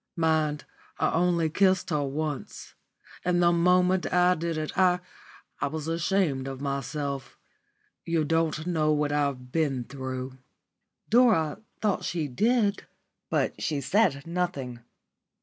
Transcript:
Mind, I only kissed her once. And the moment I did it I I was ashamed of myself. You don't know what I've been through." Dora thought she did, but she said nothing.